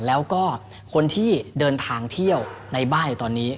แล้วก็คนที่เดินทางเที่ยวในบ้านอยู่ตอนนี้